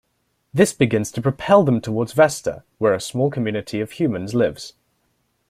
This begins to propel them towards Vesta, where a small community of humans lives.